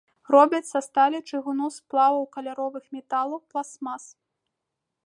Робяць са сталі, чыгуну, сплаваў каляровых металаў, пластмас.